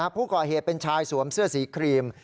ผู้ก่อเหตุเป็นชายสวมเสื้อสีครีม